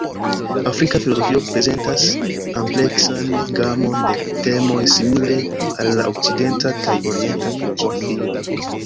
Afrika filozofio prezentas ampleksan gamon de temoj simile al la Okcidenta kaj Orienta filozofioj.